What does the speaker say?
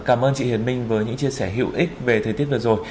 cảm ơn chị hiền minh với những chia sẻ hữu ích về thời tiết vừa rồi